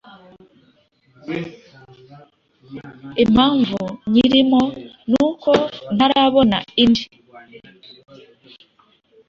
impamvu nyirimo nuko ntarabona indi